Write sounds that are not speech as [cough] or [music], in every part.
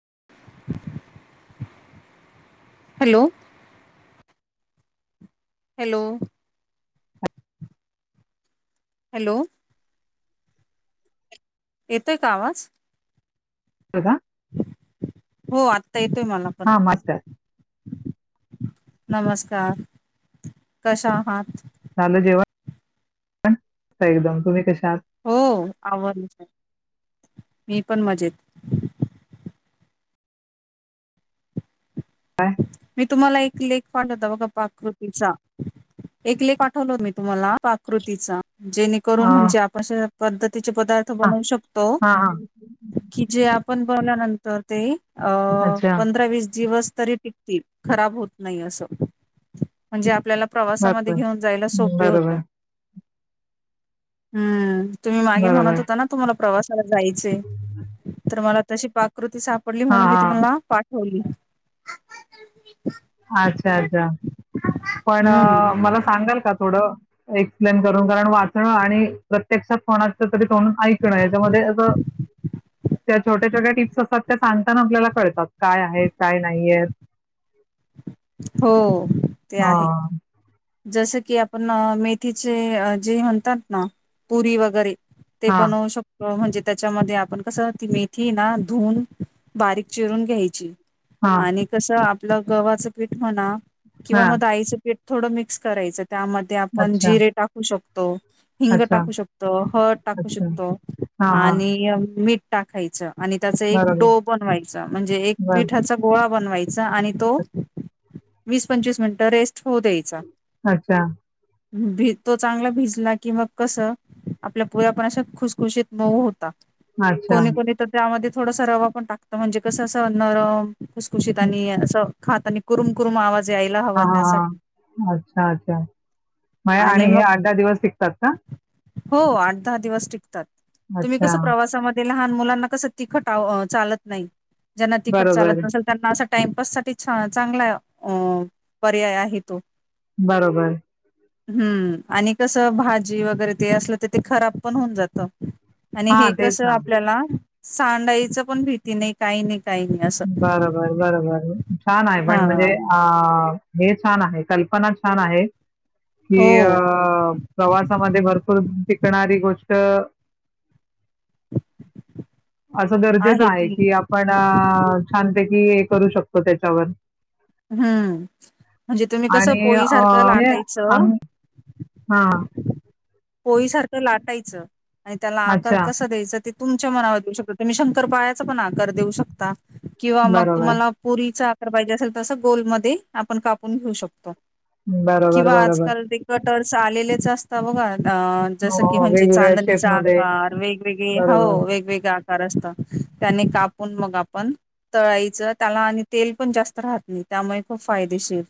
[inaudible] Hello hello hello येतोय का आवाज? प्रभा हो आत्ता येतोय मला पण. हा मास्टर नमस्कार... कश्या आहात? झालं जेवण? एकदम तुम्ही कशा आहात? हो आव.. [unintelligible] मी पण मजेत काय मी तुम्हाला एक लेख पाटवते. बघा प्रकृतीचा एक लेख पाठवलाय मी तुम्हाला प्राकृतीचा.. जेणेकरून हा म्हणजे अशा पद्धती तेचे पदार्थ हा बनवू शकतो... हा हा कि जे आपण बनल्यानंतर ते अ अच्छा पंधरा, वीस दिवस तरी खराब होत नाही अस म्हणजे आपल्याला प्रवासामध्ये बरोबर घेऊन जायला सोपे होत बरोबर हम्म तुम्ही मागे बरोबर म्हणत होता ना तुम्हाला प्रवासाला जायचे तर मला तशी पाक कृती सापडली हा म्हणून मी हा तुम्हाला पाठवली अच्छा अच्छा पण हम्म. मला सांगाल का थोडं एक्सप्लेन करून कारण वाचणं आणि प्रत्यक्षात कोणालंं तरी तोंडून ऐकणं याच्यामध्ये अ त्या छोट्या छोट्या टिप्स असतात त्या सांगताना आपल्याला कळतात काय आहे काय नाहीय [inaudible] हो ते हा आहे जसं की आपण मेथीचे जे म्हणतात ना पुरी वगैरे ते हा बनवू शकतो म्हणजे त्याच्यामध्ये आपण कसं ती मेथी ना धुून बारीक चिरून घ्यायची हा आणि कस आपलं गवा्हाचं पीठ म्हणा हा किंवा मग आईचं पीठ थोडं मिक्स करायचं त्यामध्ये आपण अच्छा जिरे टाकू शकतो हिंग अच्छा टाकू शकतो हद टाकू अच्छा शकतो हा हा आणि मीठ टाकायचं आणि त्याचा एक बरोबर डो बनवायचा म्हणजे एक बर पिठाचा गोळा बनवायचा आणि तो वीस पंचवीस मिनिटं रेस्ट होऊ द्यायचा अच्छा भी तो चांगला भिजला की मग कसं आपल्या पुऱ्यापणाशा खुसखुशीत नऊ होता कोणी अच्छा कोणी तर त्यामध्ये थोडसा रवा पण टाकत म्हणजे कसं अस नरम खुसखुशीत आणि असं खात आणि करुम करुम आवाज यायला हा हवा हा त्यासाठी हा अच्छा अच्छा म आणि हे आठ दा दिवस टिकतात का हो आठ दहा दिवस टिकतात तुम्ही कस अच्छा. प्रवासामध्ये लह मुलाना कस तट चालत नाही ज्यांना तिखट बरोबर, चालत नसेल त्यांना टाइमपास साठी चांगला अ पर्याय आहे तो बरोबर हम्म आणि कसं भाजी वगैरे ते असलं तर ते खराब पण होऊन जात आणि हां, हे तेच कस ना. आपल्याला सांडाईचं पण भीती नाही काही नाही काही नाही असं बरोबर बरोबर छान आहे हा पण म्हणजे अ हे छान आहे कल्पना छान आहे कि हो अ प्रवासामध्ये भरपूर श करणारी गोष्ट असं गरजेचं आहे कि आपण छानते की करू शकतो त्याच्यावर हम्म म्हणजे तुम्ही कसं आणि अ, पोळीसारखं लाटायचं हा पोळीसारखं लाटायचं आणि त्याला आकार अच्छा. कसं द्यायचं त तुमच्या मनावर देऊ शकताो तुम्ही शंकर पाळयाचा पण आकार देऊ शकता किंवा मग बरोबर, तुम्हाला पुरीचा आकार पाहिजे असेल तसं गोलमध्येध्ये आपण कापून घेऊ शकतो बरोबर, किंवा बरोबर. आजकाल ते कटर्स आलेलेच असतात बघा अ हो, जसं की हो. म्हणजे वेगवेगळ्या चांदणीचा शेपमध्ये. आकार वेगवेगळे बरोबर. हो वेगवेगळे आकार असतात त्याने कापून मग आपण तळाईचं त्याला आणि तेल पण जास्त राहत नाही त्यामुळे खूप फायदेशीर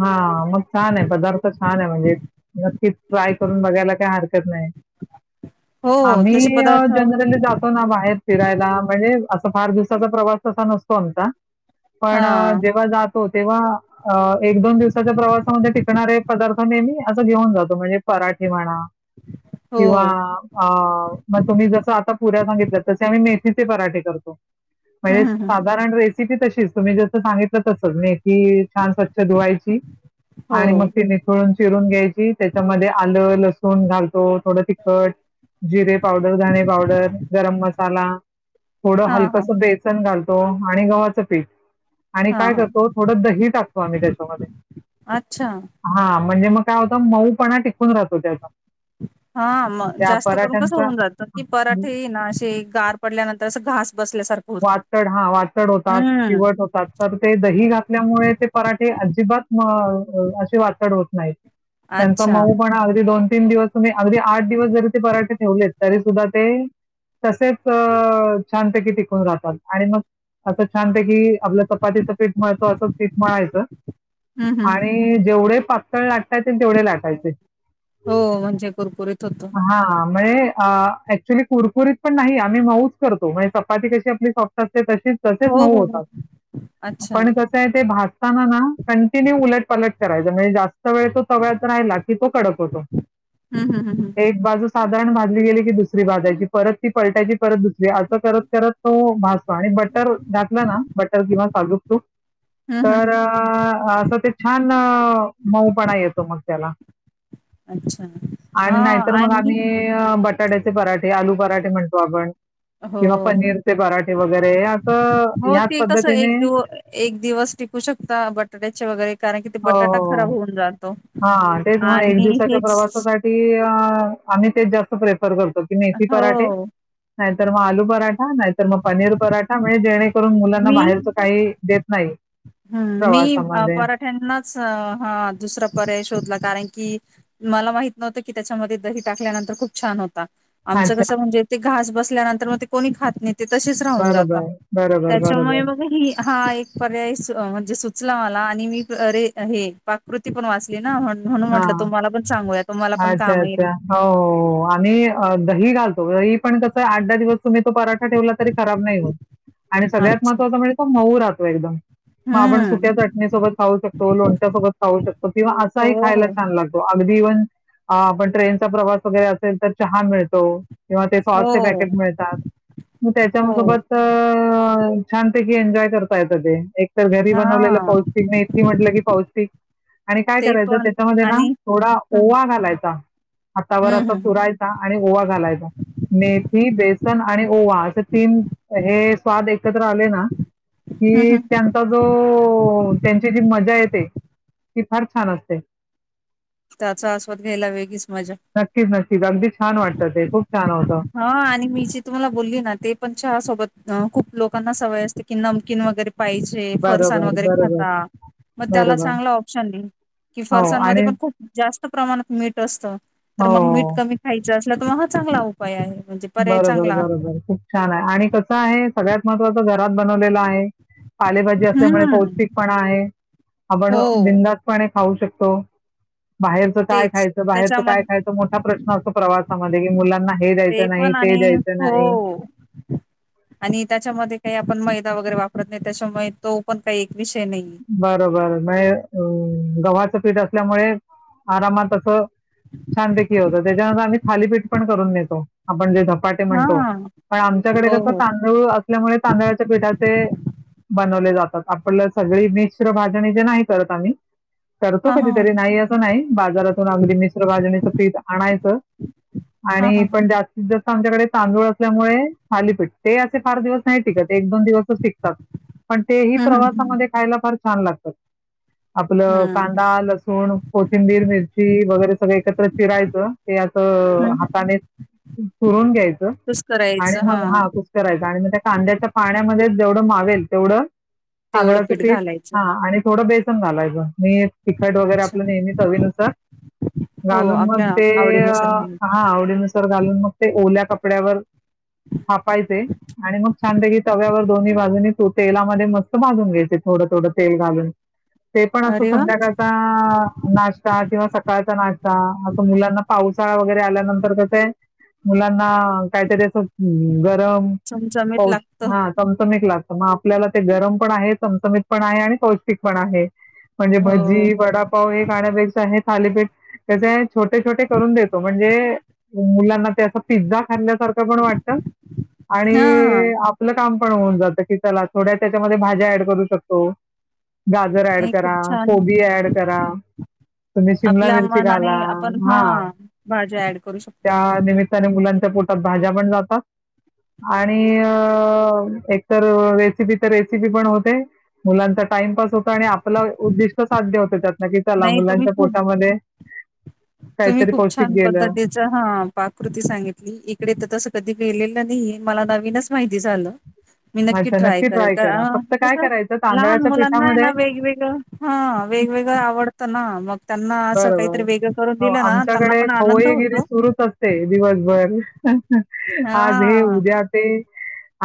हा मग छान आहे पदार्थ छान आहे म्हणजे कि ट्राय करून बघायला काय हरकत नाही हो आम्ही तसे पदार्थ जनरली जातो ना बाहेर फिरायला म्हणजे असं फार दिस प्रवास तसा नसतो आमचा पण हा जेव्हा जातो तेव्हा दिवसाच्या प्रवासामध्ये टिकणारे पराठी म्हणा रीकाम आहे किंवा अ मग तुम्ही जस आता पुऱ्या सांगितल्यात तसे आम्ही मेथीचे पराठे करतो [unintelligible] हं म्हणजे हं हं हं. साधारण रेसिपी तशीच तुम्ही जस सांगितलं तसच म की शधुवायची हो आणि मग ती निथळून चिरून घ्यायची त्याच्यामध्ये आलं लसूण घालतो थोडं तिखट जिरे पावडर धणे पावडर गरम मसाला थोडं हां हां हलकंस हां बेसन घालतो आणि गव्हाचं पीठ आणि हां काय हां हां करतो थोडं दही टाकतो आम्ही त्याच्यामध्ये अच्छा हा म्हणजे मग काय होतं मऊ पणा टिकून राहतो त्याचा हा मग त्या जास्त करून कसं पराठ्यांचा होऊन जात की पराठे ना असे गार पडल्यानंतर अस घास बसल्यासारखं होतं. वाटड हा वाटड होतात हम्म चिवट होतात तर ते दही घातल्यामुळे ते पराठे अजिब वाट होत नाही त्यांचा अच्छा मऊ पण अ दोन तीन दिवस तुम्ही अगदी आठ दिवस जरी ते पराठे ठेवलेत तरी सुद्धा ते तसेच छांत की टिक राहतात आणि मग असं छान प की आपलं चपातीचं पीठळतं असं पीठ मळायचं हं हं हं आणि जेवढे पातळ लाटायचे तेवढे लाटायचे हो म्हणजे कुरकुरीत होतं. हा म्हज अ ऍक्च्युली कुरकुरीत पण नाही आम्ही मऊच करतो म्हणजे चपाती कशी आपली सॉपतात ते तसे तसेच हो नऊ हो हो होतात अच्छा पण कस आहे ते भासताना ना कंटिन्यू उलट पलट करायचं म्हणजे जास्त व तो सवळ्यात राहिला की तो कडक होतो हं हं हं हं एक बाजू साधारण भाजली गेली की दुसरी भाजायची परत ती पलटायची परत दुसरी असं करत करत तो भासतो आणि बटर घातला ना बटर किंवा सालूक तूप हं हं तर हं असं ते छान मऊ पणा येतो मग त्याला अच्छा आणि हां नाहीतर मग आणि आम्ही बट पराठ्याचे पराठे आलू पराठे म्हणतो आपण हो किंवा पनीरचे पराठे वगैरे असं हो ह्याच ते कस एक पद्धतीने दिव एक दिवस टिकू शकता बटाट्याचे वगैरे कारण की ते बटाटा खराब होऊन जात हा तेच मग एक दिवसाच्या प्रवासासाठी आम्ही तेच जास्त प्रयत् की मेथी पराठे हो नाहीतर मग आलू पराठा नाहीतर मग पनीर पराठा म्हणजे जे करून मुलांना बाहेरच काही देत नाही हम् मी प्रवासामध्ये पराठ्यांना हा दुसरा पर्याय शोधला कारण की मला माहित नव्हतं की त्याच्यामध्ये दही टाकल्यानंतर खप छ हो आमच अच्छा क म्हणजे घ बसल्यानंतरग को खात ते तसेच राहून जात बरोबर बरोबर बरोबर त्याच्यामुळे मग ह हा एक पर्याय म्हणजेचला मला आणि मी अरे हे पाकृती पण वाचली ना म्ह म्हणून म्हटलं हां. तुम्हाला पण चांग अच्छा अच्छा हो आणि दही घालतो दही पण कस आठ दहा दिवस तुम्ही तो पराठा ठेवला तरी खराब नाही होत आणि सग्यात अच्छा महत्वाचा म्हणजे म एक मग आपण हम्म सुक्या चटणीसोबत खाऊ शकतो लोणच्या्या सोबत खाऊ शकतो किंवा असा हो एक खायला हो छान लागतो अगदी इव्हन आपण ट्रेनचा प्रवास वगैरे असेल तर छान मिळतो किंवा ते सॉसचे हो पॅकेट मिळतात म त्याच्या हो सोबत छानपैकी एन्जॉय करता येत ते एक तरर घरी बनवलेलं हा पौष्टिकने इतकी म्हटलं की पौष्टिक आणि काय ते करायचं पण त्यामध्ये ना आणि थोडा हम्म ओवा घालायचा हातावर हम्म असा हम्म पुरायचा आणि ओवा घालायचा मेथी बेसन आणि ओवा असे तीन हे स्वाद एकत्र आले ना हम्म कि त्यांचा जो त्यांची जी मजा आहे कि फार छान असते त्याचा आस्वाद घ्यायला वेगळीच मजा नक्कीच नक्कीच अगदी छान वाटतात ते खूप छान होतं. हा आणि मी जी तुम्हाला बोलली ना ते पण सोबत खूप लोक लोकांना सवय असते की नमकीन वगैरे पाहिजे फरसाण बरोबर, वगैरे बरोबर, खाता मग त्याला बरोबर. चांगला ऑप्शन देईल कि हो फरसणमध्ये आणि पण खूप जास्त प्रमाणात मीठ असतं तर मग मीठ हो. कमी खायचं असल्या त्हा हा चांगला उपाय आहे म्हणजे पर्याय बरोबर चांगला आहे बरोबर खूप छान आहे आणि कसं आहे सगळ्यात महत्वाच घरात बनवलेलं आहे पालेभाजी असल्यामुळे हम्म पौष्टिकपणा आहे आपण हो बिंदातपणे खाऊ शकतो बाहेरच काय तेच खायचं बाहेरच काय त्याच्यामध्ये खायचं मोठा प्रश्न अस प्रवासामध्ये की मुलांना हे दयचं ते पण आणि हो आणि त्याच्यामध्ये काही पण मैदा वगैरे वापरत नाही त्याच्यामुळे तो पण काही विषय नाही बरोबर नाही अ गव्हाचं पीठ असल्यामुळे आरामात अस छानपैकी होत त्याच्यानंतर आम्ही ालीपीठ पण करून नेतो आपण जे हा म्हणत प आमच्याकडे हो कस हो तांदूळ असल्यामुळे तांदळाच्या पठाचे जात आप सगळी मिश्र भाजणी जे नाही करत आम् करतो हा हा कधीतरी नाही असं नाही बाजारातून अगदी मिश्रभजणीचं पीठ आणायचं हां, आणि हां, हां. पण जास्तीत जास्त आमच्याकडे तांदूळ असल्यामुळे खालीपीठ ते असे ार दिवस नाहीत एक दोन दिवसचिकतात पण ते हं, हं, प्रवासा हं. फार छान लागतात आपलं हं. कांदा लसूण कोथिंबीर मिरची वगैरे सगळं एकत्र चिरायचं ते असं हं. हाताने पुरून घ्यायचं तसं आणि करायचं मग हां. हा कुष करायचा आणि मग त्या कांद्याच्या पाण्यामध्ये जेवढं मावेल तेवढं तेवढ पिड ा आणि थोडं बेसन घालायचं मी तिखट वगैरे अच्छा. आपलं नेहमीवीनुसार हो, घालून मग आपल्या ते आवडीनुसार घालायचं. हा आवडीनसर घालून मग ते ओल्या कप कपड्यावर थापायचे आणि मग छानते की तव्यावर दोन्ही बाजून तेलामध्ये मस्त भाजून घ्यायचे थोडं थोडं तेल घालून ते पण असं अरे वाह! संध्याकाळचा नाश्ता किंवा सकाळचा नाश्ता असं मुलांना पावसाळा वगैरे आल्यानंतर तसे मुलांना काहीरी चमचमीत लागतं. आपल्याला ते गरम पण आहे चमचमत पण आहे आणि पौष्टिक पण आहे म्हणजे हो. भजी वडापाव हे खाण्यापेक्ष आहेत ालीपीठ त्या छोटे छोटे करून देतो म्हणजे मुलांना ते पिझ्झा खल्ल्यासारख पण वाट आणि हां. आपलं का पण होऊन जात की चला थोड्या त्याच्यामध्ये भाज्या ऍड करू शकतो गाजर ऍड नाही खूप करा छान. कोबी ऍड करा तुम्ही शिमला आपल्या मिरची मनाने घाला आपण हा हां, भाज्या ॲड करू शकतो. त्या निमित्ताने मुलां पोटात भाज्या पण जातात आणि एकत रेसिपी तर रेसिपी पण होती मुलांचा टाइमपास होत आणि आपलं उद्दिष्ट साध्य होत त्यात न ककी चला नाही तुम्ही मुलांच्या खूप पोटामध्ये तुम्ही काहीतरी खूप पौष्टिक छान गेलं. पद्धतीच हा पाकृती सांगितली इकडे तर तस कधी गेलेलं मला नवीनच माहिती झालं मी नक्की अच्छा ट्राय करल करा. फक्त कस काय करायचं लहान तांदळाच्या मुलांना आहे ना पिठामध्ये वेगवेगळं हा वेगवेगळं आवडत ना मग त्यांना असं बरोबर. काहीतरी वेग हो आमच्याकडे खवईगिरी सुरूच असते दिवसभर हा आज हे उद्या ते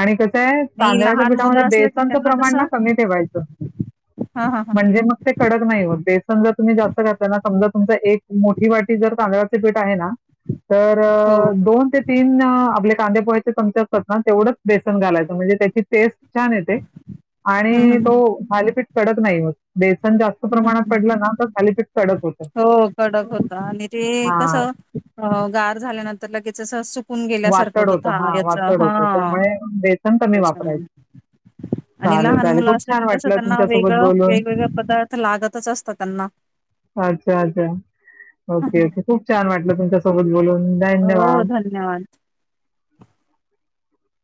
आणि कस नाही तांदळा्याच्या लहान पीठामध्ये मुलं असलं की बेसनचं त्यांना प्रमाण ना कसं कमी ठेवायचं हा हा हा म्हणजे मग ते कडक नाही होत बेसन जर तुम्ही जास्त घातलं ना समजा तुमचा एक मोठी वाटी जर तांदळाचे पीठ आहे ना तर हो दोन ते तीन आपल्या कांद पोयचे तमच्यात ना तेवढंच बेसन घालायचं म्हणजे त्याची टेस्ट छान येते हम्म आणि तो हम्म खालीपीठ पडत नाही होेस जास्त हम्म प्रमाणात हम्म पडला ना तर खालीिफेक्ट चडतो हो कडक होता आणि ते कस हां, गार झाल्यानंतर लगेच खण गेल्यासारखं वातड होत होतं हां, याच वातड होतं. हा त्यामुळे बेसन कमी त्या वापरायचं. आणि चालेल, लहान चालेल. मुलं खूप असं की छान कसं वाटलं त्यांना तुमच्यासोबत वेगळं बोलून. वेगवेगळे पदार्थ लागतच असतात त्यांना अच्छा अच्छा ओके ओके खूप छान वाटलं तुमच्यासोबत बोल हो धन्यवाद [inaudible]